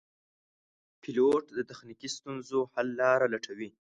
پیلوټ د تخنیکي ستونزو حل لاره لټوي.